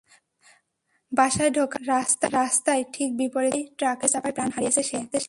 বাসায় ঢোকার রাস্তার ঠিক বিপরীত পাশেই ট্রাকের চাপায় প্রাণ হারিয়েছে সে।